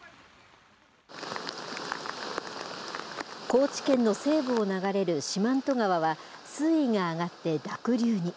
高知県の西部を流れる四万十川は水位が上がって濁流に。